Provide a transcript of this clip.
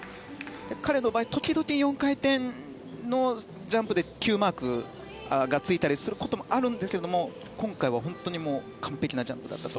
彼の場合時々４回転ジャンプでＱマークがついたりしますが今回は本当に完璧なジャンプだったと。